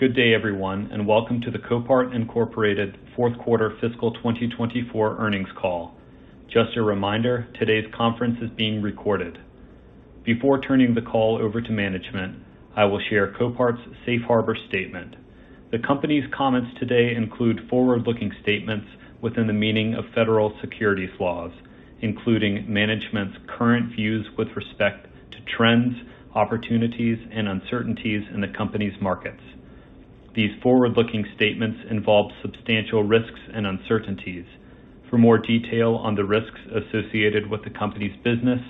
Good day, everyone, and welcome to the Copart Incorporated Fourth Quarter Fiscal 2024 earnings call. Just a reminder, today's conference is being recorded. Before turning the call over to management, I will share Copart's Safe Harbor statement. The company's comments today include forward-looking statements within the meaning of federal securities laws, including management's current views with respect to trends, opportunities, and uncertainties in the company's markets. These forward-looking statements involve substantial risks and uncertainties. For more detail on the risks associated with the company's business,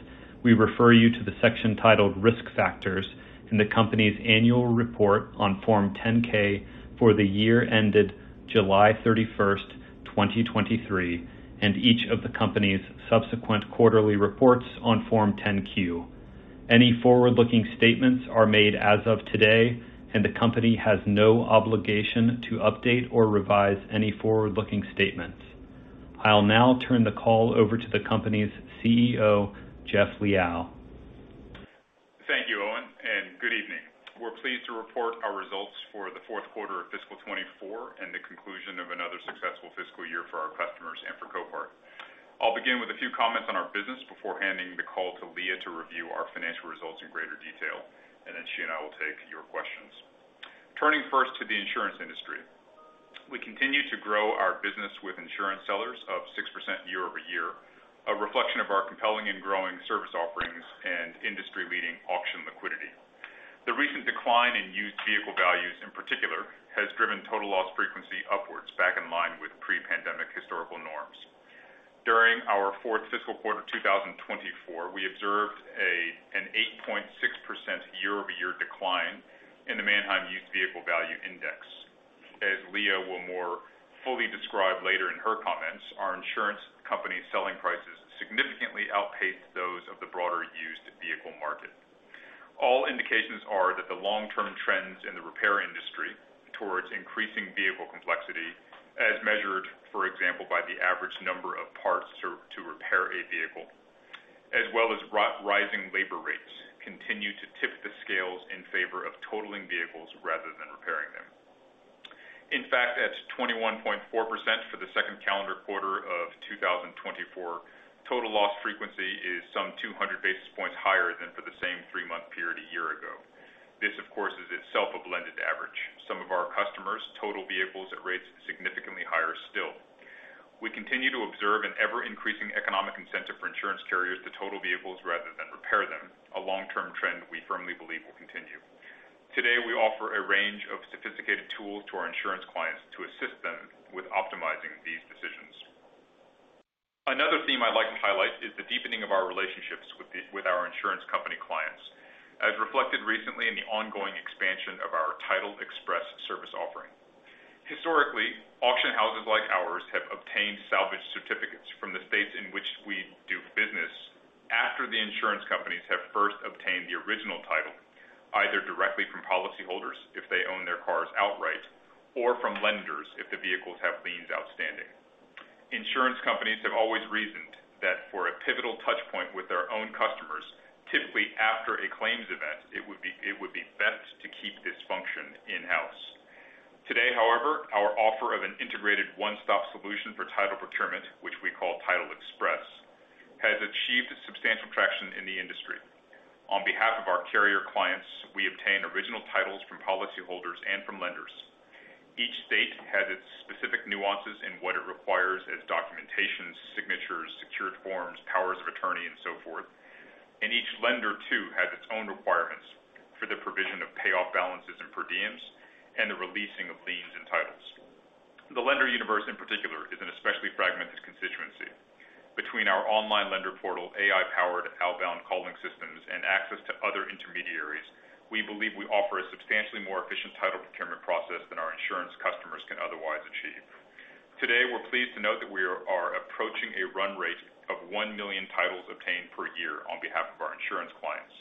we refer you to the section titled Risk Factors in the company's annual report on Form 10-K for the year ended July 31st, 2023, and each of the company's subsequent quarterly reports on Form 10-Q. Any forward-looking statements are made as of today, and the company has no obligation to update or revise any forward-looking statements. I'll now turn the call over to the company's CEO, Jeff Liaw. Thank you, Owen, and good evening. We're pleased to report our results for the fourth quarter of fiscal 2024 and the conclusion of another successful fiscal year for our customers and for Copart. I'll begin with a few comments on our business before handing the call to Leah to review our financial results in greater detail, and then she and I will take your questions. Turning first to the insurance industry. We continue to grow our business with insurance sellers of 6% year-over-year, a reflection of our compelling and growing service offerings and industry-leading auction liquidity. The recent decline in used vehicle values, in particular, has driven total loss frequency upwards, back in line with pre-pandemic historical norms. During our fourth fiscal quarter of two thousand twenty-four, we observed an 8.6% year-over-year decline in the Manheim Used Vehicle Value Index. As Leah will more fully describe later in her comments, our insurance company's selling prices significantly outpaced those of the broader used vehicle market. All indications are that the long-term trends in the repair industry towards increasing vehicle complexity, as measured, for example, by the average number of parts served to repair a vehicle, as well as rising labor rates, continue to tip the scales in favor of totaling vehicles rather than repairing them. In fact, at 21.4% for the second calendar quarter of 2024, total loss frequency is some 200 basis points higher than for the same three-month period a year ago. This, of course, is itself a blended average. Some of our customers total vehicles at rates significantly higher still. We continue to observe an ever-increasing economic incentive for insurance carriers to total vehicles rather than repair them, a long-term trend we firmly believe will continue. Today, we offer a range of sophisticated tools to our insurance clients to assist them with optimizing these decisions. Another theme I'd like to highlight is the deepening of our relationships with our insurance company clients, as reflected recently in the ongoing expansion of our Title Express service offering. Historically, auction houses like ours have obtained salvage certificates from the states in which we do business after the insurance companies have first obtained the original title, either directly from policyholders, if they own their cars outright, or from lenders, if the vehicles have liens outstanding. Insurance companies have always reasoned that for a pivotal touch point with their own customers, typically after a claims event, it would be, it would be best to keep this function in-house. Today, however, our offer of an integrated one-stop solution for title procurement, which we call Title Express, has achieved substantial traction in the industry. On behalf of our carrier clients, we obtain original titles from policyholders and from lenders. Each state has its specific nuances in what it requires as documentation, signatures, secured forms, powers of attorney, and so forth, and each lender, too, has its own requirements for the provision of payoff balances and per diems and the releasing of liens and titles. The lender universe, in particular, is an especially fragmented constituency. Between our online lender portal, AI-powered outbound calling systems, and access to other intermediaries, we believe we offer a substantially more efficient title procurement process than our insurance customers can otherwise achieve. Today, we're pleased to note that we are approaching a run rate of one million titles obtained per year on behalf of our insurance clients,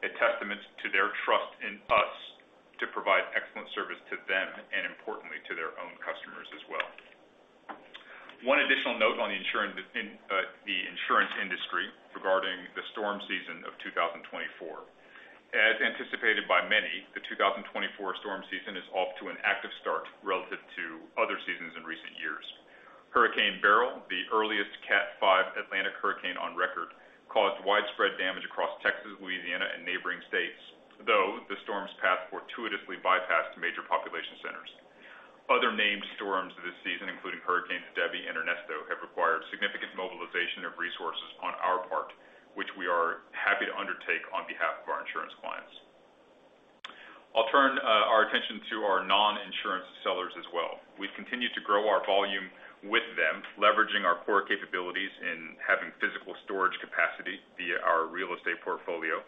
a testament to their trust in us to provide excellent service to them and importantly, to their own customers as well. One additional note on the insurance industry regarding the storm season of 2024. As anticipated by many, the two thousand twenty-four storm season is off to an active start relative to other seasons in recent years. Hurricane Beryl, the earliest Cat 5 Atlantic hurricane on record, caused widespread damage across Texas, Louisiana, and neighboring states, though the storm's path fortuitously bypassed major population centers. Other named storms this season, including Hurricanes Debby and Ernesto, have required significant mobilization of resources on our part, which we are happy to undertake on behalf of our insurance clients. I'll turn our attention to our non-insurance sellers as well. We continue to grow our volume with them, leveraging our core capabilities in having physical storage capacity via our real estate portfolio,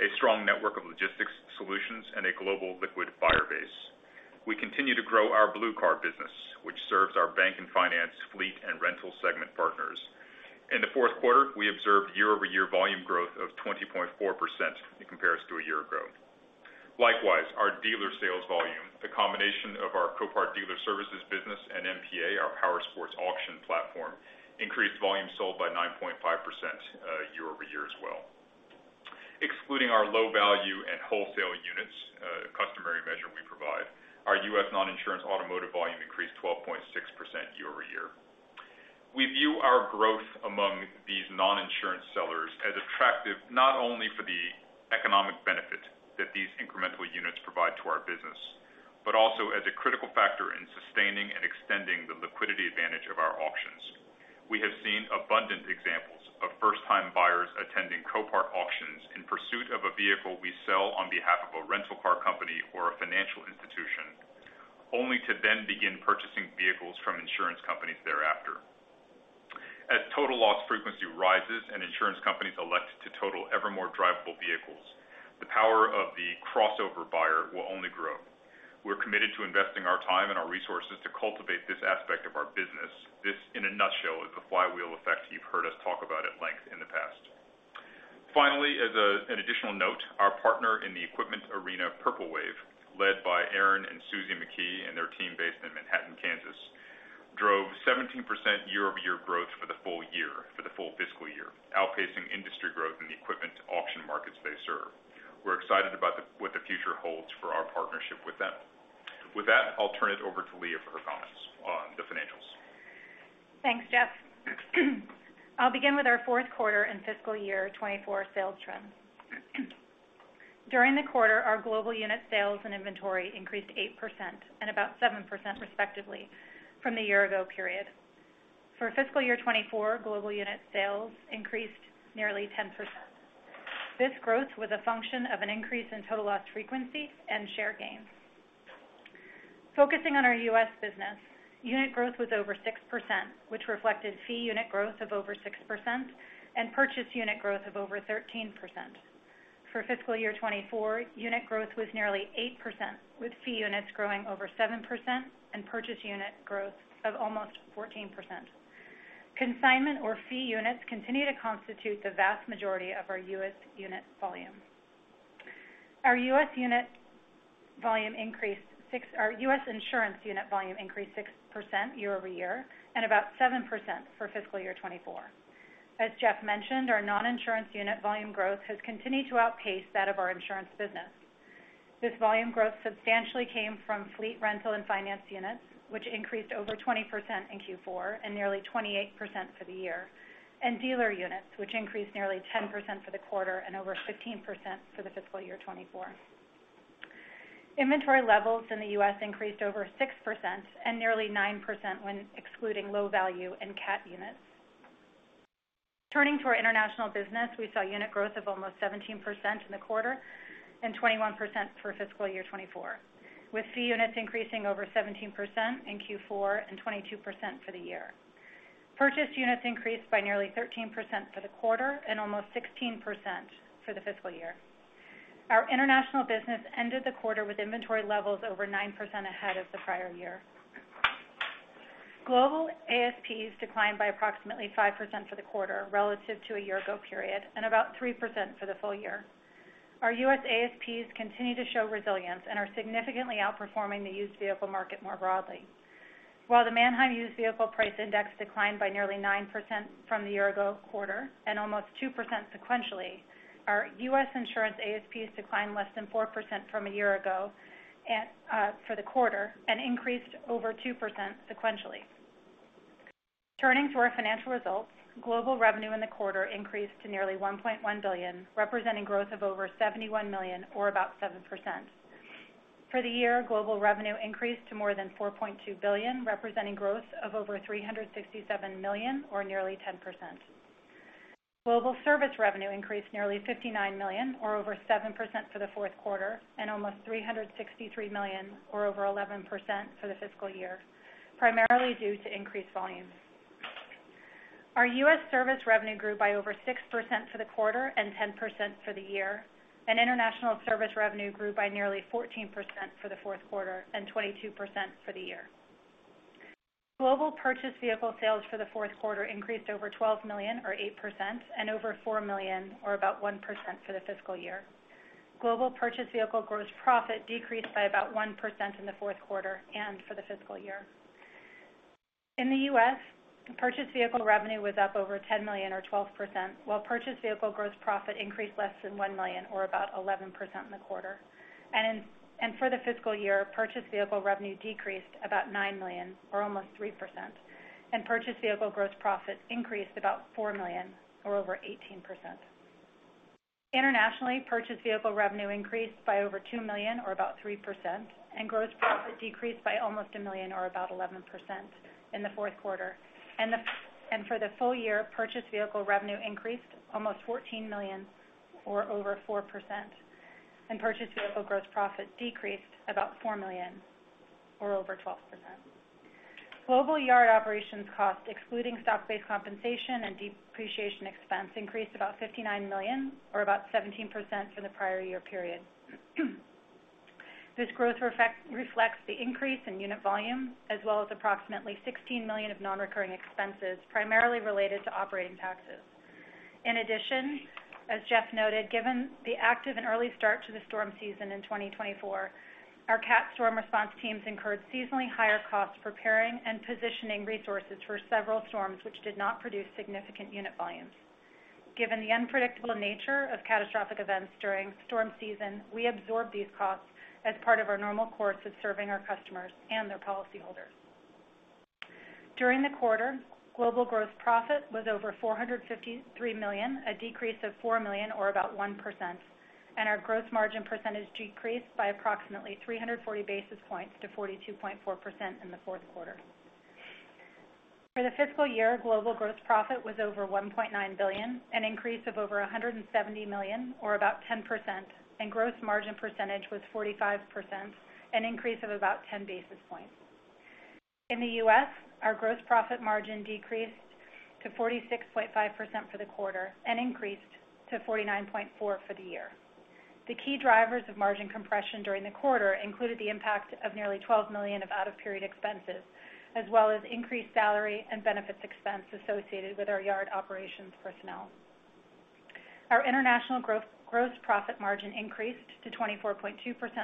a strong network of logistics solutions, and a global liquid buyer base. We continue to grow our blue car business, which serves our bank and finance, fleet, and rental segment partners. In the fourth quarter, we observed year-over-year volume growth of 20.4% in comparison to a year ago. Likewise, our dealer sales volume, the combination of our Copart Dealer Services business and MPA, our powersports auction platform, increased volume sold by 9.5% year- over year as well. Excluding our low value and wholesale units, a customary measure we provide, our U.S. non-insurance automotive volume increased 12.6% year-over-year. We view our growth among these non-insurance sellers as attractive, not only for the economic benefit that these incremental units provide to our business, but also as a critical factor in sustaining and extending the liquidity advantage of our auctions. We have seen abundant examples of first-time buyers attending Copart auctions in pursuit of a vehicle we sell on behalf of a rental car company or a financial institution, only to then begin purchasing vehicles from insurance companies thereafter. As total loss frequency rises and insurance companies elect to total ever more drivable vehicles, the power of the crossover buyer will only grow. We're committed to investing our time and our resources to cultivate this aspect of our business. This, in a nutshell, is the flywheel effect you've heard us talk about at length in the past. Finally, as a, an additional note, our partner in the equipment arena, Purple Wave, led by Aaron and Suzie McKee and their team based in Manhattan, Kansas, drove 17% year-over-year growth for the full year, for the full fiscal year, outpacing industry growth in the equipment auction markets they serve. We're excited about what the future holds for our partnership with them. With that, I'll turn it over to Leah for her comments on the financials. Thanks, Jeff. I'll begin with our fourth quarter and fiscal year 2024 sales trends. During the quarter, our global unit sales and inventory increased 8% and about 7%, respectively, from the year ago period. For fiscal year 2024, global unit sales increased nearly 10%. This growth was a function of an increase in total loss frequency and share gains. Focusing on our U.S. business, unit growth was over 6%, which reflected fee unit growth of over 6% and purchased unit growth of over 13%. For fiscal year 2024, unit growth was nearly 8%, with fee units growing over 7% and purchased unit growth of almost 14%. Consignment or fee units continue to constitute the vast majority of our U.S. unit volume. Our U.S. unit volume increased six... Our U.S. insurance unit volume increased 6% year-over-year, and about 7% for fiscal year 2024. As Jeff mentioned, our non-insurance unit volume growth has continued to outpace that of our insurance business. This volume growth substantially came from fleet rental and finance units, which increased over 20% in Q4 and nearly 28% for the year, and dealer units, which increased nearly 10% for the quarter and over 15% for the fiscal year 2024. Inventory levels in the U.S. increased over 6% and nearly 9% when excluding low value and cat units. Turning to our international business, we saw unit growth of almost 17% in the quarter and 21% for fiscal year 2024, with fee units increasing over 17% in Q4 and 22% for the year. Purchased units increased by nearly 13% for the quarter and almost 16% for the fiscal year. Our international business ended the quarter with inventory levels over 9% ahead of the prior year. Global ASPs declined by approximately 5% for the quarter relative to a year ago period and about 3% for the full year. Our U.S. ASPs continue to show resilience and are significantly outperforming the used vehicle market more broadly. While the Manheim Used Vehicle Value Index declined by nearly 9% from the year ago quarter and almost 2% sequentially, our U.S. insurance ASPs declined less than 4% from a year ago, and for the quarter, and increased over 2% sequentially. Turning to our financial results, global revenue in the quarter increased to nearly $1.1 billion, representing growth of over $71 million or about 7%. For the year, global revenue increased to more than $4.2 billion, representing growth of over $367 million or nearly 10%. Global service revenue increased nearly $59 million, or over 7% for the fourth quarter, and almost $363 million, or over 11% for the fiscal year, primarily due to increased volumes. Our U.S. service revenue grew by over 6% for the quarter and 10% for the year, and international service revenue grew by nearly 14% for the fourth quarter and 22% for the year. Global purchased vehicle sales for the fourth quarter increased over $12 million, or 8%, and over $4 million, or about 1% for the fiscal year. Global purchased vehicle gross profit decreased by about 1% in the fourth quarter and for the fiscal year. In the U.S., purchased vehicle revenue was up over $10 million or 12%, while purchased vehicle gross profit increased less than $1 million or about 11% in the quarter. And for the fiscal year, purchased vehicle revenue decreased about $9 million or almost 3%, and purchased vehicle gross profit increased about $4 million or over 18%. Internationally, purchased vehicle revenue increased by over $2 million or about 3%, and gross profit decreased by almost $1 million or about 11% in the fourth quarter. And for the full year, purchased vehicle revenue increased almost $14 million or over 4%, and purchased vehicle gross profit decreased about $4 million or over 12%. Global yard operations cost, excluding stock-based compensation and depreciation expense, increased about $59 million or about 17% for the prior year period. This growth reflects the increase in unit volume, as well as approximately $16 million of non-recurring expenses, primarily related to operating taxes. In addition, as Jeff noted, given the active and early start to the storm season in 2024, our Cat storm response teams incurred seasonally higher costs, preparing and positioning resources for several storms, which did not produce significant unit volumes. Given the unpredictable nature of catastrophic events during storm season, we absorb these costs as part of our normal course of serving our customers and their policyholders. During the quarter, global gross profit was over $453 million, a decrease of $4 million or about 1%, and our gross margin percentage decreased by approximately 340 basis points to 42.4% in the fourth quarter. For the fiscal year, global gross profit was over $1.9 billion, an increase of over $170 million or about 10%, and gross margin was 45%, an increase of about 10 basis points. In the US, our gross profit margin decreased to 46.5% for the quarter and increased to 49.4% for the year. The key drivers of margin compression during the quarter included the impact of nearly $12 million of out-of-period expenses, as well as increased salary and benefits expense associated with our yard operations personnel. Our international gross profit margin increased to 24.2%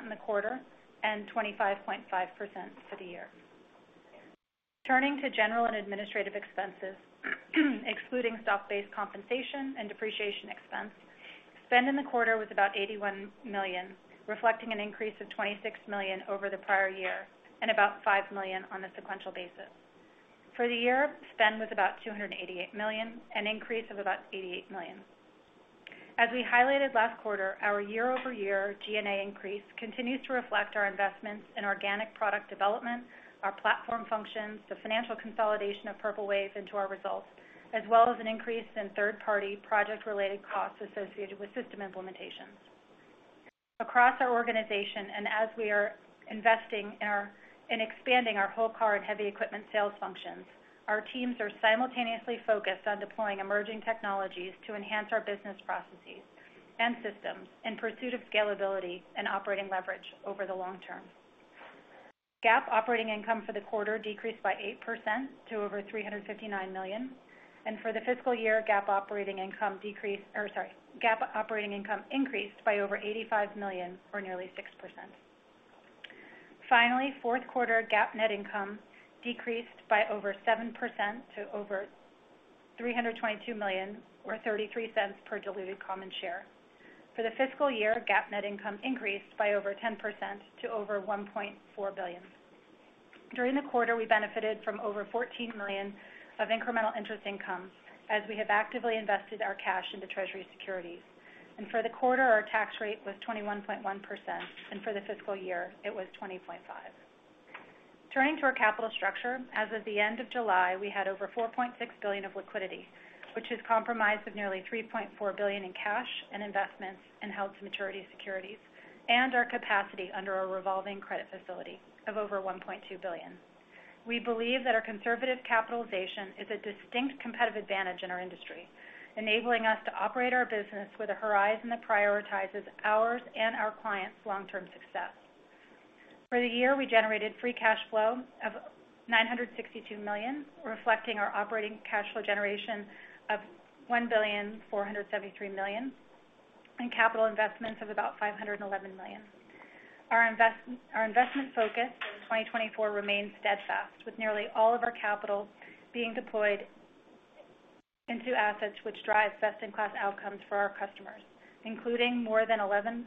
in the quarter and 25.5% for the year. Turning to general and administrative expenses, excluding stock-based compensation and depreciation expense, spend in the quarter was about $81 million, reflecting an increase of $26 million over the prior year and about $5 million on a sequential basis. For the year, spend was about $288 million, an increase of about $88 million. As we highlighted last quarter, our year-over-year G&A increase continues to reflect our investments in organic product development, our platform functions, the financial consolidation of Purple Wave into our results, as well as an increase in third-party project-related costs associated with system implementations. Across our organization, and as we are investing in expanding our wholesale and heavy equipment sales functions, our teams are simultaneously focused on deploying emerging technologies to enhance our business processes and systems in pursuit of scalability and operating leverage over the long term. GAAP operating income for the quarter decreased by 8% to over $359 million, and for the fiscal year, GAAP operating income decreased, or sorry, GAAP operating income increased by over $85 million, or nearly 6%. Finally, fourth quarter GAAP net income decreased by over 7% to over $322 million, or 33 cents per diluted common share. For the fiscal year, GAAP net income increased by over 10% to over $1.4 billion. During the quarter, we benefited from over $14 million of incremental interest income as we have actively invested our cash into treasury securities. And for the quarter, our tax rate was 21.1%, and for the fiscal year, it was 20.5%. Turning to our capital structure, as of the end of July, we had over $4.6 billion of liquidity, which is comprised of nearly $3.4 billion in cash and investments, and held-to-maturity securities, and our capacity under our revolving credit facility of over $1.2 billion. We believe that our conservative capitalization is a distinct competitive advantage in our industry, enabling us to operate our business with a horizon that prioritizes ours and our clients' long-term success. For the year, we generated free cash flow of $962 million, reflecting our operating cash flow generation of $1.473 billion, and capital investments of about $511 million. Our investment focus in 2024 remains steadfast, with nearly all of our capital being deployed into assets which drive best-in-class outcomes for our customers, including more than 1,100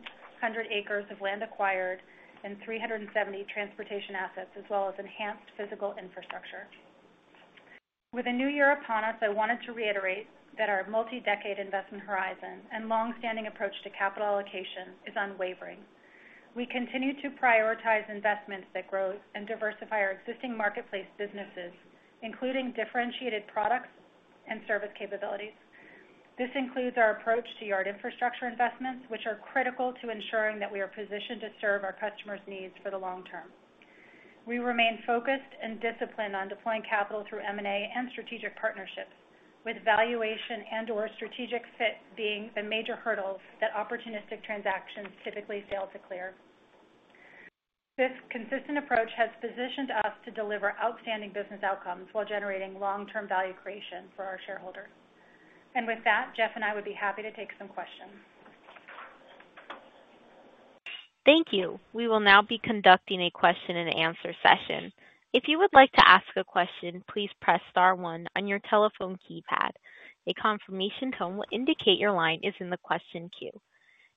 acres of land acquired and 370 transportation assets, as well as enhanced physical infrastructure. With a new year upon us, I wanted to reiterate that our multi-decade investment horizon and long-standing approach to capital allocation is unwavering. We continue to prioritize investments that grow and diversify our existing marketplace businesses, including differentiated products and service capabilities. This includes our approach to yard infrastructure investments, which are critical to ensuring that we are positioned to serve our customers' needs for the long term. We remain focused and disciplined on deploying capital through M&A and strategic partnerships, with valuation and/or strategic fit being the major hurdles that opportunistic transactions typically fail to clear. This consistent approach has positioned us to deliver outstanding business outcomes while generating long-term value creation for our shareholders. And with that, Jeff and I would be happy to take some questions. Thank you. We will now be conducting a question-and-answer session. If you would like to ask a question, please press star one on your telephone keypad. A confirmation tone will indicate your line is in the question queue.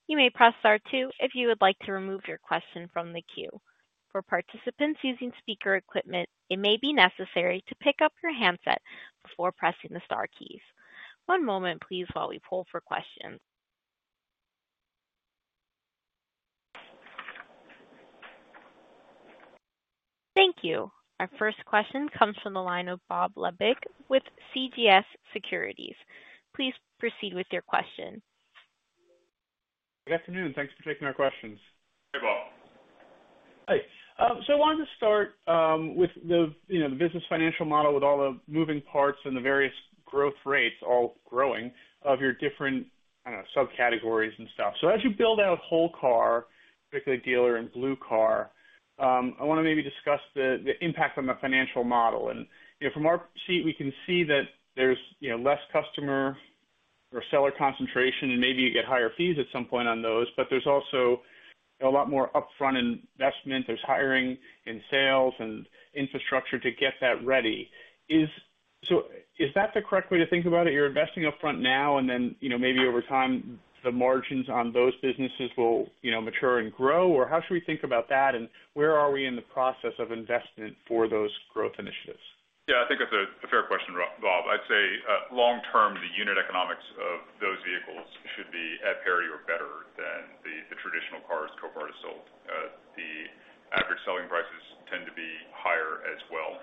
You may press star two if you would like to remove your question from the queue. For participants using speaker equipment, it may be necessary to pick up your handset before pressing the star keys. One moment, please, while we pull for questions. Thank you. Our first question comes from the line of Bob Labick with CJS Securities. Please proceed with your question. Good afternoon. Thanks for taking our questions. Hey, Bob. Hi. So I wanted to start with the, you know, the business financial model, with all the moving parts and the various growth rates, all growing of your different, I don't know, subcategories and stuff. So as you build out whole car, particularly dealer and Blue Car, I want to maybe discuss the impact on the financial model. And, you know, from our seat, we can see that there's, you know, less customer or seller concentration, and maybe you get higher fees at some point on those. But there's also- ... a lot more upfront investment. There's hiring in sales and infrastructure to get that ready. So is that the correct way to think about it? You're investing upfront now, and then, you know, maybe over time, the margins on those businesses will, you know, mature and grow? Or how should we think about that, and where are we in the process of investment for those growth initiatives? Yeah, I think that's a fair question, Bob. I'd say long term, the unit economics of those vehicles should be at parity or better than the traditional cars Copart has sold. The average selling prices tend to be higher as well.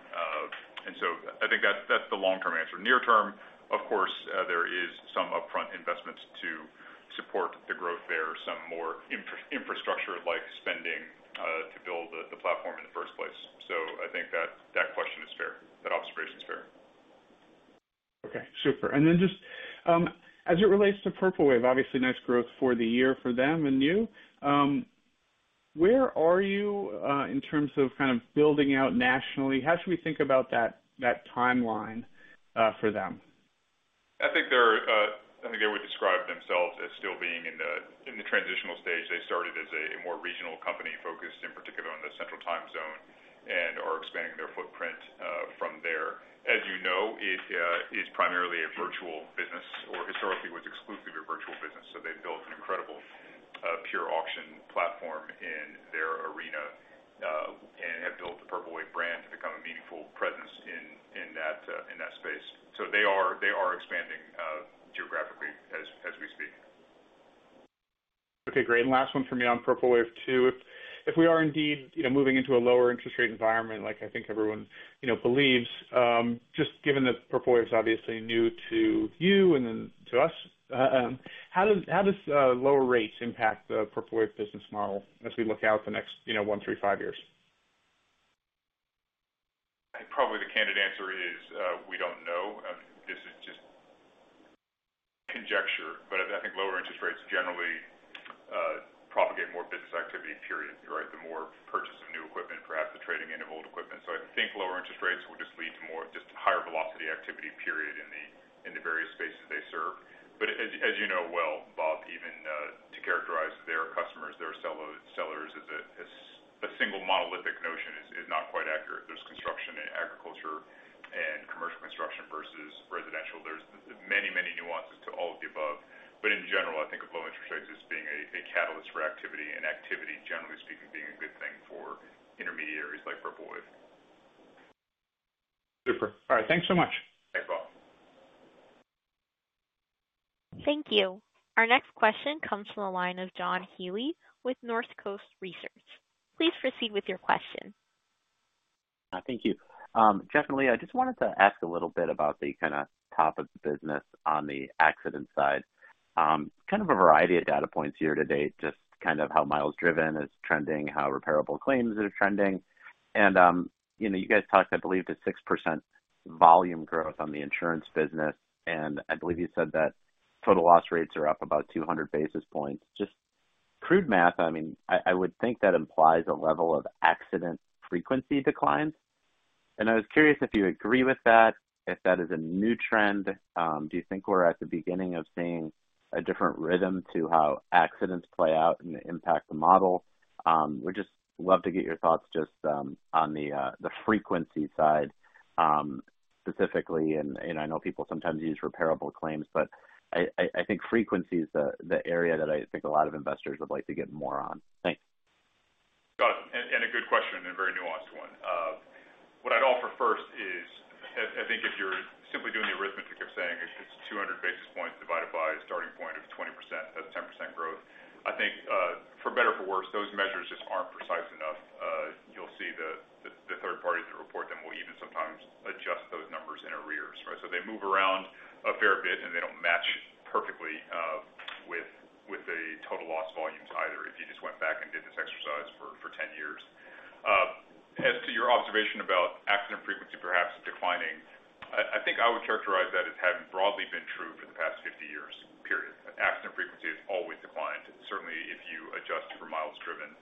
And so I think that's the long-term answer. Near term, of course, there is some upfront investments to support the growth there, some more infrastructure-like spending to build the platform in the first place. So I think that question is fair. That observation is fair. Okay, super. And then just as it relates to Purple Wave, obviously nice growth for the year for them and you. Where are you in terms of kind of building out nationally? How should we think about that timeline for them? I think they're. I think they would describe themselves as still being in the transitional stage. They started as a more regional company, focused in particular on the Central Time zone, and are expanding their footprint from there. As you know, it is primarily a virtual business, or historically was exclusively a virtual business. So they've built an incredible pure auction platform in their arena, and have built the Purple Wave brand to become a meaningful presence in that space. So they are expanding geographically as we speak. Okay, great. And last one for me on Purple Wave, too. If we are indeed, you know, moving into a lower interest rate environment, like I think everyone, you know, believes, just given that Purple Wave is obviously new to you and then to us, how does lower rates impact the Purple Wave business model as we look out the next, you know, one, three, five years? I think probably the candid answer is, we don't know. I mean, this is just conjecture, but I think lower interest rates generally propagate more business activity, period, right? The more purchase of new equipment, perhaps the trading in of old equipment. So I think lower interest rates will just lead to more, just higher velocity activity period in the various spaces they serve. But as you know well, Bob, even to characterize their customers, their sellers as a single monolithic notion is not quite accurate. There's construction in agriculture and commercial construction versus residential. There's many, many nuances to all of the above. But in general, I think of low interest rates as being a catalyst for activity, and activity, generally speaking, being a good thing for intermediaries like Purple Wave. Super. All right, thanks so much. Thanks, Bob. Thank you. Our next question comes from the line of John Healy with North Coast Research. Please proceed with your question. Thank you. Jeff and Leah, I just wanted to ask a little bit about the kind of top of business on the accident side. Kind of a variety of data points year to date, just kind of how miles driven is trending, how repairable claims are trending. And, you know, you guys talked, I believe, to 6% volume growth on the insurance business, and I believe you said that total loss rates are up about 200 basis points. Just crude math, I mean, I would think that implies a level of accident frequency decline. And I was curious if you agree with that, if that is a new trend, do you think we're at the beginning of seeing a different rhythm to how accidents play out and impact the model? Would just love to get your thoughts just on the frequency side specifically, and I know people sometimes use repairable claims, but I think frequency is the area that I think a lot of investors would like to get more on. Thanks. Got it, and a good question and a very nuanced one. What I'd offer first is, I think if you're simply doing the arithmetic of saying it's 200 basis points divided by a starting point of 20%, that's 10% growth. I think, for better or for worse, those measures just aren't precise enough. You'll see the third parties that report them will even sometimes adjust those numbers in arrears, right? So they move around a fair bit, and they don't match perfectly, with the total loss volumes either, if you just went back and did this exercise for 10 years. As to your observation about accident frequency perhaps declining, I think I would characterize that as having broadly been true for the past 50 years, period. Accident frequency has always declined, certainly if you adjust for miles driven.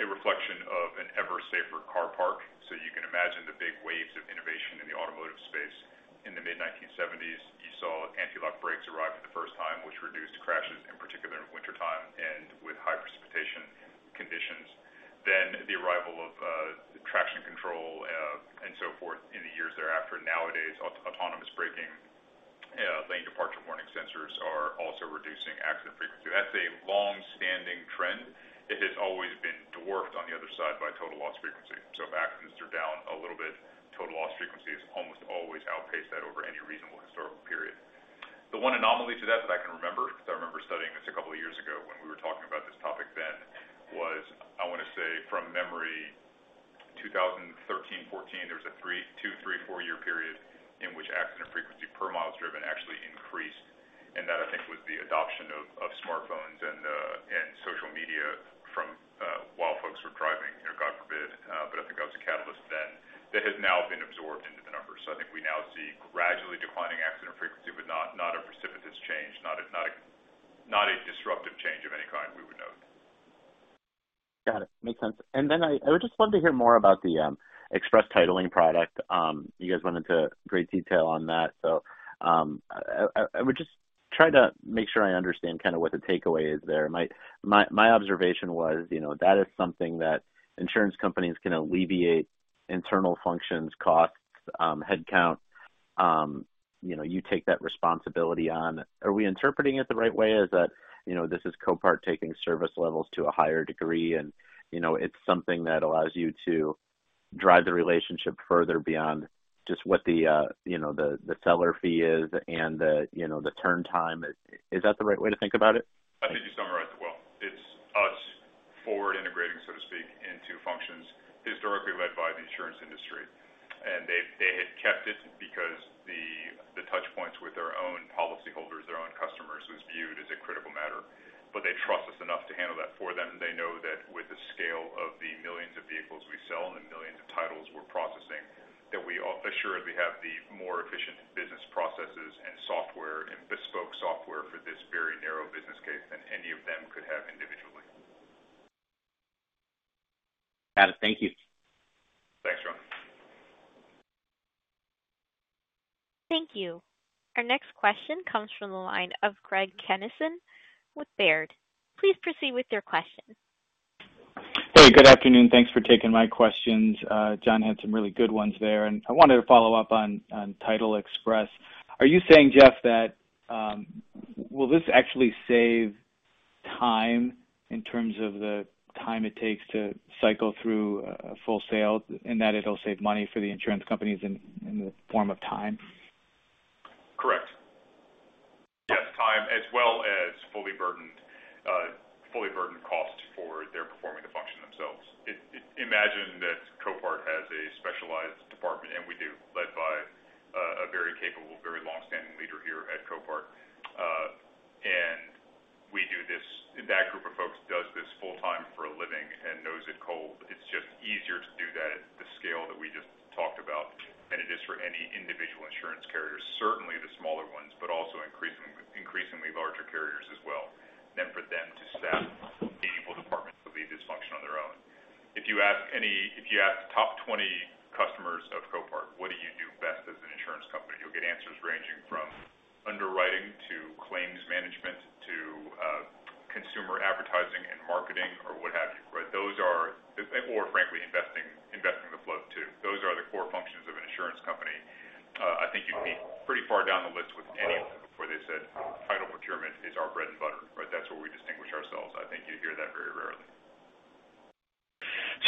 A reflection of an ever safer car park, so you can imagine the big waves of innovation in the automotive space. In the mid-1970s, you saw anti-lock brakes arrive for the first time, which reduced crashes, in particular in wintertime and with high precipitation conditions. Then the arrival of traction control and so forth in the years thereafter. Nowadays, autonomous braking, lane departure warning sensors are also reducing accident frequency. That's a long-standing trend. It has always been dwarfed on the other side by total loss frequency. So if accidents are down a little bit, total loss frequency has almost always outpaced that over any reasonable historical period. The one anomaly to that that I can remember, because I remember studying this a couple of years ago when we were talking about this topic then, was, I want to say from memory, two thousand thirteen, fourteen, there was a two-, three-, four-year period in which accident frequency per miles driven actually increased, and that, I think, was the adoption of smartphones and social media from while folks were driving, you know, God forbid. But I think that was a catalyst then that has now been absorbed into the numbers. So I think we now see gradually declining accident frequency, but not a precipitous change, not a disruptive change of any kind we would note. ... Got it. Makes sense. And then I would just love to hear more about the Title Express product. You guys went into great detail on that, so I would just try to make sure I understand kind of what the takeaway is there. My observation was, you know, that is something that insurance companies can alleviate internal functions, costs, headcount. You know, you take that responsibility on. Are we interpreting it the right way? Is that, you know, this is Copart taking service levels to a higher degree, and, you know, it's something that allows you to drive the relationship further beyond just what the, you know, the seller fee is and the, you know, the turn time. Is that the right way to think about it? I think you summarized it well. It's us forward integrating, so to speak, into functions historically led by the insurance industry. And they, they had kept it because the, the touch points with their own policyholders, their own customers, was viewed as a critical matter. But they trust us enough to handle that for them. They know that with the scale of the millions of vehicles we sell and the millions of titles we're processing, that we assuredly have the more efficient business processes and software and bespoke software for this very narrow business case than any of them could have individually. Got it. Thank you. Thanks, John. Thank you. Our next question comes from the line of Craig Kennison with Baird. Please proceed with your question. Hey, good afternoon. Thanks for taking my questions. John had some really good ones there, and I wanted to follow up on Title Express. Are you saying, Jeff, that will this actually save time in terms of the time it takes to cycle through a full sale, and that it'll save money for the insurance companies in the form of time? Correct. Yes, time as well as fully burdened, fully burdened costs for their performing the function themselves. Imagine that Copart has a specialized department, and we do, led by a very capable, very long-standing leader here at Copart. And we do this and that group of folks does this full-time for a living and knows it cold. It's just easier to do that at the scale that we just talked about than it is for any individual insurance carrier. Certainly the smaller ones, but also increasingly larger carriers as well, than for them to staff an able department to lead this function on their own. If you ask top twenty customers of Copart, "What do you do best as an insurance company?" You'll get answers ranging from underwriting to claims management to consumer advertising and marketing or what have you, right? Those are. Or frankly, investing the float, too. Those are the core functions of an insurance company. I think you'd be pretty far down the list with any before they said, "Title procurement is our bread and butter," right? "That's where we distinguish ourselves." I think you'd hear that very rarely.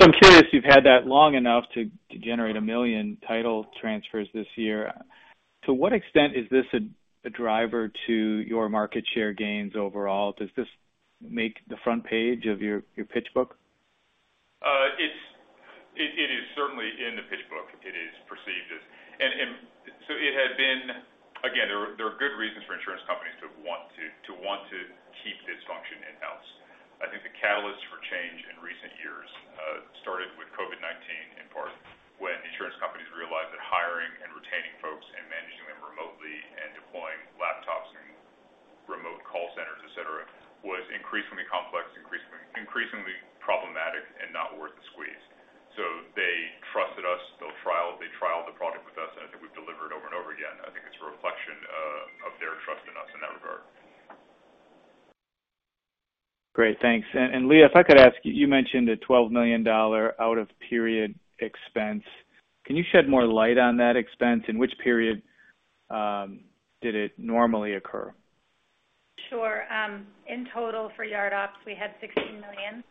So I'm curious, you've had that long enough to generate a million title transfers this year. To what extent is this a driver to your market share gains overall? Does this make the front page of your pitch book? It's certainly in the pitch book. It is perceived as, and so it has been. Again, there are good reasons for insurance companies to want to keep this function in-house. I think the catalyst for change in recent years started with COVID-19, in part when insurance companies realized that hiring and retaining folks and managing them remotely and deploying laptops and remote call centers, et cetera, was increasingly complex, increasingly problematic and not worth the squeeze, so they trusted us. They trialed the product with us, and I think we've delivered over and over again. I think it's a reflection of their trust in us in that regard. Great, thanks. And Leah, if I could ask you, you mentioned a $12 million out-of-period expense. Can you shed more light on that expense? In which period did it normally occur? Sure. In total, for Yard Ops, we had $16 million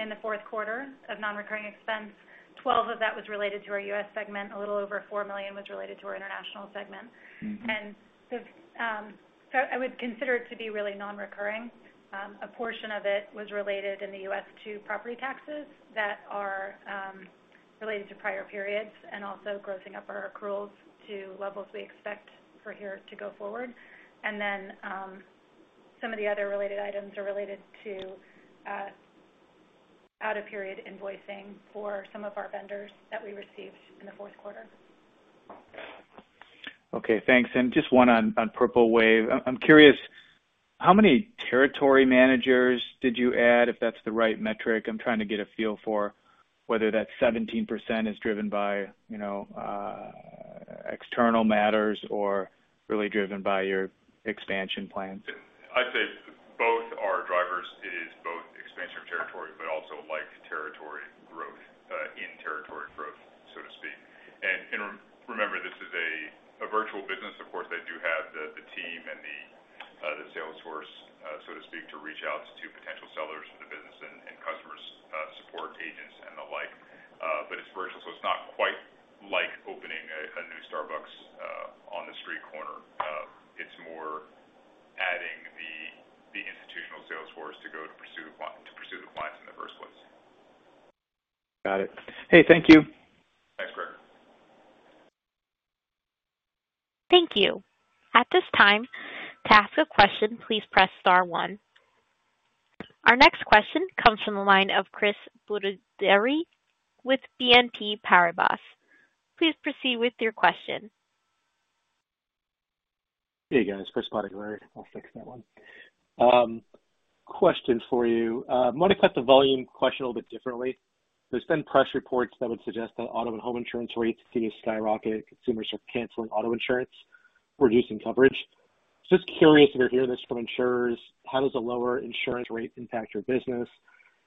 in the fourth quarter of non-recurring expense. $12 million of that was related to our U.S. segment. A little over $4 million was related to our international segment. Mm-hmm. I would consider it to be really non-recurring. A portion of it was related in the U.S. to property taxes that are related to prior periods, and also grossing up our accruals to levels we expect for here to go forward. Then, some of the other related items are related to out-of-period invoicing for some of our vendors that we received in the fourth quarter. Okay, thanks. And just one on Purple Wave. I'm curious, how many territory managers did you add, if that's the right metric? I'm trying to get a feel for whether that 17% is driven by, you know, external matters or really driven by your expansion plans. I'd say both our drivers is both expansion of territory but also like territory growth, in territory growth, so to speak. And remember, this is a virtual business. Of course, they do have the team and the sales force, so to speak, to reach out to potential sellers of the business and customer support agents and the like. But it's virtual, so it's not quite like opening a new Starbucks on the street corner. It's more adding the institutional sales force to pursue the clients in the first place. Got it. Hey, thank you. Thanks, Craig. Thank you. At this time, to ask a question, please press star one. Our next question comes from the line of Chris Bottiglieri with BNP Paribas. Please proceed with your question.... Hey, guys, Chris Bottiglieri. I'll fix that one. Question for you. I want to collect the volume question a little bit differently. There's been press reports that would suggest that auto and home insurance rates seem to skyrocket. Consumers are canceling auto insurance, reducing coverage. Just curious, if you're hearing this from insurers, how does a lower insurance rate impact your business?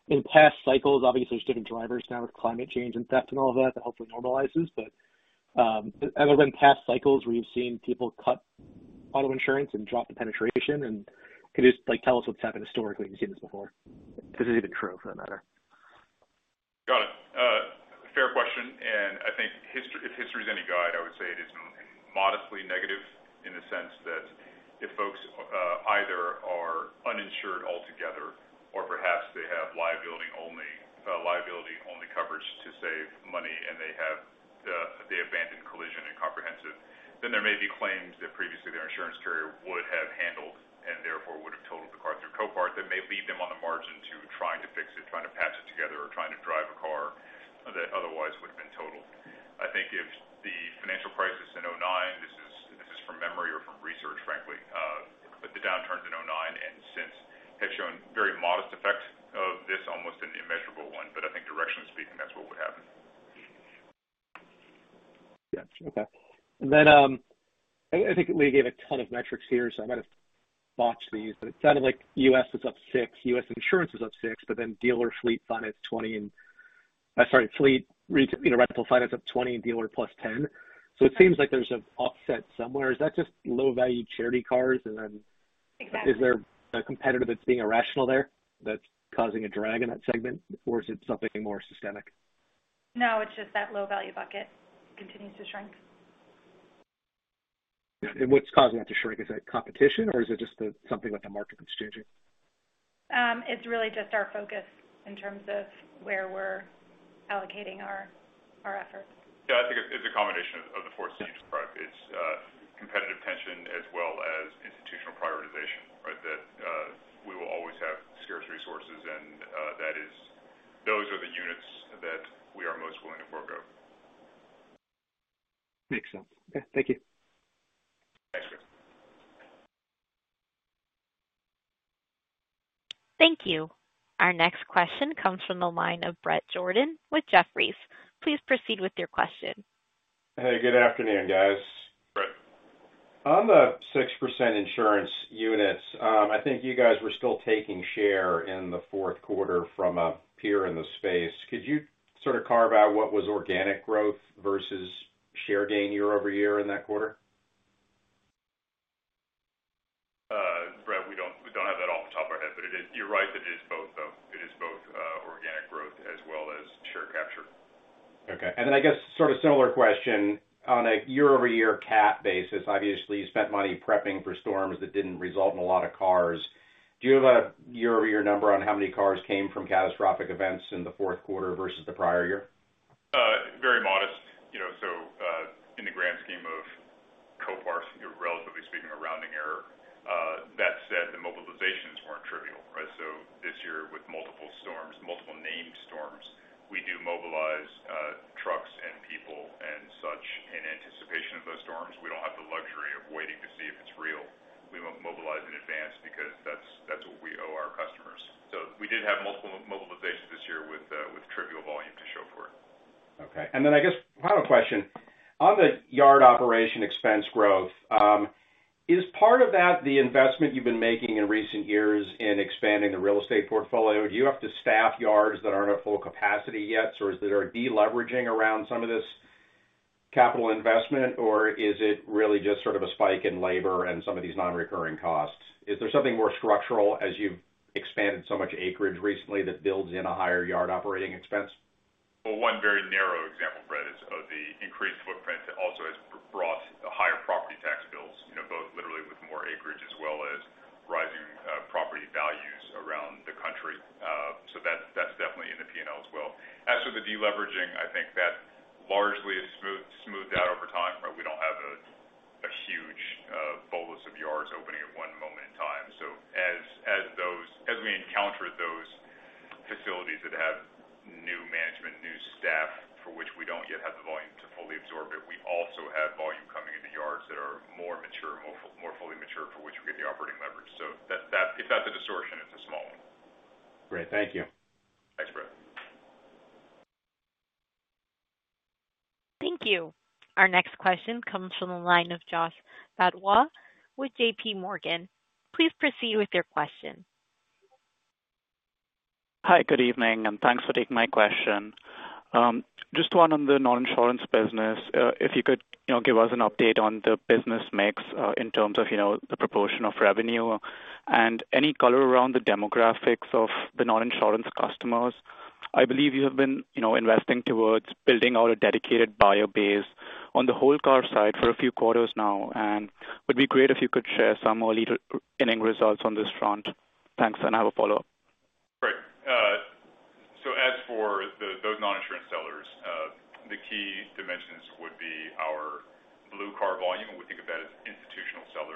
In past cycles, obviously, there's different drivers now with climate change and theft and all of that, that hopefully normalizes. But, other than past cycles where you've seen people cut auto insurance and drop the penetration, and could you, like, tell us what's happened historically if you've seen this before? If this is even true, for that matter. Got it. Fair question, and I think if history is any guide, I would say it is modestly negative in the sense that if folks either are uninsured altogether or perhaps they have liability-only coverage to save money, and they abandon collision and comprehensive, then there may be claims that previously their insurance carrier would have handled and therefore would have totaled the car through Copart. That may leave them on the margin to trying to fix it, trying to patch it together, or trying to drive a car that otherwise would have been totaled. I think. If the financial crisis in 2009, this is from memory or from research, frankly, but the downturns in 2009 and since have shown very modest effect of this, almost an immeasurable one, but I think directionally speaking, that's what would happen. Yeah. Okay. And then, I think Leah gave a ton of metrics here, so I might have botched these, but it sounded like U.S. is up six, U.S. insurance is up six, but then dealer fleet finance 20, and... I'm sorry, fleet rental finance up 20 and dealer plus 10. So it seems like there's an offset somewhere. Is that just low-value charity cars and then- Exactly. Is there a competitor that's being irrational there, that's causing a drag in that segment, or is it something more systemic? No, it's just that low-value bucket continues to shrink. What's causing that to shrink? Is that competition, or is it just the market that's changing? It's really just our focus in terms of where we're allocating our efforts. Yeah, I think it's a combination of the four C's, right? It's competitive tension as well as institutional prioritization, right? That we will always have scarce resources, and that is those are the units that we are most willing to forego. Makes sense. Okay. Thank you. Thanks, Chris. Thank you. Our next question comes from the line of Bret Jordan with Jefferies. Please proceed with your question. Hey, good afternoon, guys. Brett. On the 6% insurance units, I think you guys were still taking share in the fourth quarter from a peer in the space. Could you sort of carve out what was organic growth versus share gain year-over-year in that quarter? Bret, we don't have that off the top of our head, but it is. You're right, it is both, though. It is both, organic growth as well as share capture. Okay. And then I guess sort of similar question. On a year-over-year cat basis, obviously, you spent money prepping for storms that didn't result in a lot of cars. Do you have a year-over-year number on how many cars came from catastrophic events in the fourth quarter versus the prior year? Very modest. You know, so, in the grand scheme of Copart, relatively speaking, a rounding error. That said, the mobilizations weren't trivial, right? So this year, with multiple storms, multiple named storms, we do mobilize trucks and people and such in anticipation of those storms. We don't have the luxury of waiting to see if it's real. We mobilize in advance because that's what we owe our customers. So we did have multiple mobilizations this year with trivial volume to show for it. Okay. And then I guess final question. On the yard operation expense growth, is part of that the investment you've been making in recent years in expanding the real estate portfolio? Do you have to staff yards that aren't at full capacity yet, so is there a deleveraging around some of this capital investment, or is it really just sort of a spike in labor and some of these non-recurring costs? Is there something more structural as you've expanded so much acreage recently that builds in a higher yard operating expense? Well, one very narrow example, Bret, is of the increased footprint also has brought higher property tax bills, you know, both literally with more acreage as well as rising property values around the country. So that, that's definitely in the P&L as well. As for the deleveraging, I think that largely has smoothed out over time, but we don't have a huge bolus of yards opening at one moment in time. So as we encounter those facilities that have new management, new staff, for which we don't yet have the volume to fully absorb it, we also have volume coming into yards that are more mature, more fully mature, for which we get the operating leverage. So that, if that's a distortion, it's a small one. Great. Thank you. Thanks, Brett. Thank you. Our next question comes from the line of Josh Badwa with J.P. Morgan. Please proceed with your question. Hi, good evening, and thanks for taking my question. Just one on the non-insurance business. If you could, you know, give us an update on the business mix, in terms of, you know, the proportion of revenue and any color around the demographics of the non-insurance customers. I believe you have been, you know, investing towards building out a dedicated buyer base on the whole car side for a few quarters now, and would be great if you could share some more leading results on this front. Thanks, and I have a follow-up. Great. So as for those non-insurance sellers, the key dimensions would be our Blue Car volume. We think of that as institutional sellers.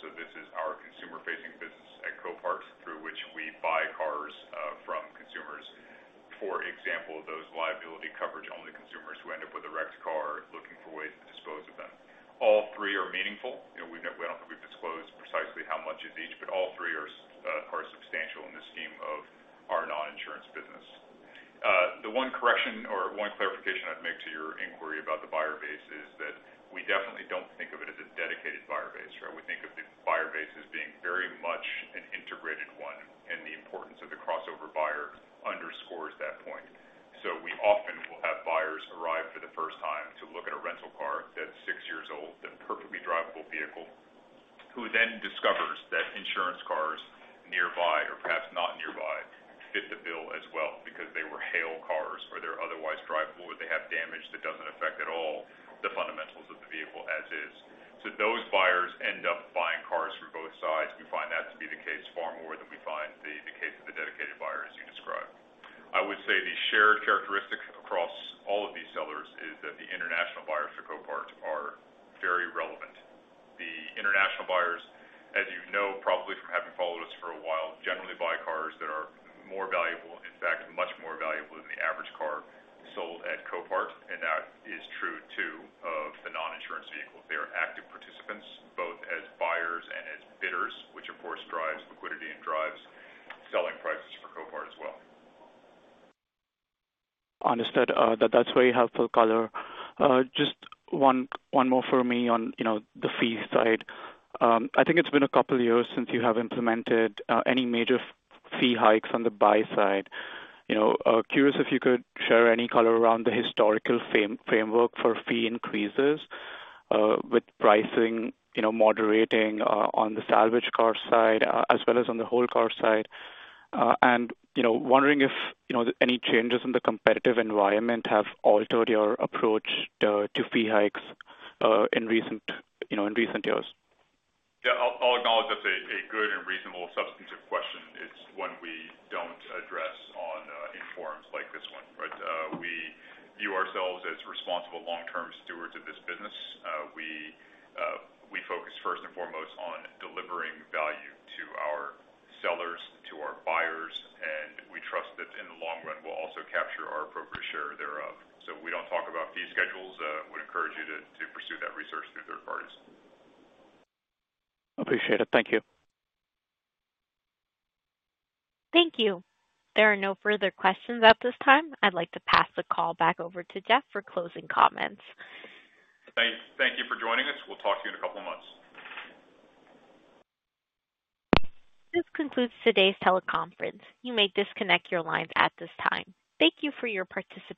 So this is our consumer facing business at Copart, through which we buy cars from consumers, for example, those liability coverage, only consumers who end up with a wrecked car looking for ways to dispose of them. All three are meaningful. You know, we don't, I don't think we've disclosed precisely how much is each, but all three are substantial in the scheme of our non-insurance business. The one correction or one clarification I'd make to your inquiry about the buyer base is that we definitely don't think of it as a dedicated buyer base, right? We think of the buyer base as being very much an integrated one, and the importance of the crossover buyer underscores that point. So we often will have buyers arrive for the first time to look at a rental car that's six years old, that perfectly drivable vehicle, who then discovers that insurance cars nearby or perhaps not nearby, fit the bill as well because they were hail cars or they're otherwise drivable, or they have damage that doesn't affect at all the fundamentals of the vehicle as is. So those buyers end up buying cars from both sides. We find that to be the case far more than we find the case of the dedicated buyer, as you describe. I would say the shared characteristic across all of these sellers is that the international buyers for Copart are very relevant. The international buyers, as you know, probably from having followed us for a while, generally buy cars that are more valuable, in fact, much more valuable than the average car sold at Copart, and that is true, too, of the non-insurance vehicles. They are active participants, both as buyers and as bidders, which of course drives liquidity and drives selling prices for Copart as well. Understood. That, that's very helpful color. Just one more for me on, you know, the fee side. I think it's been a couple of years since you have implemented any major fee hikes on the buy side. You know, curious if you could share any color around the historical framework for fee increases, with pricing, you know, moderating, on the salvage car side, as well as on the whole car side. And, you know, wondering if, you know, any changes in the competitive environment have altered your approach to fee hikes, in recent, you know, in recent years? Yeah, I'll acknowledge that's a good and reasonable substantive question. It's one we don't address on, in forums like this one, right? We view ourselves as responsible long-term stewards of this business. We focus first and foremost on delivering value to our sellers, to our buyers, and we trust that in the long run, we'll also capture our appropriate share thereof. So we don't talk about fee schedules. Would encourage you to pursue that research through third parties. Appreciate it. Thank you. Thank you. There are no further questions at this time. I'd like to pass the call back over to Jeff for closing comments. Thank you for joining us. We'll talk to you in a couple of months. This concludes today's teleconference. You may disconnect your lines at this time. Thank you for your participation.